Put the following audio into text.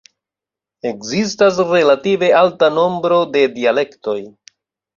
Ekzistas relative alta nombro de dialektoj.